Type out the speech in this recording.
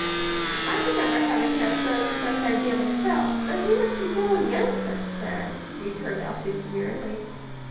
"I remember having had some such idea myself; but he must have been growing young since then," returned Elsie, demurely.